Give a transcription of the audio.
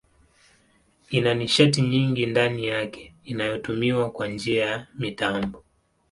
Ina nishati nyingi ndani yake inayotumiwa kwa njia ya mitambo.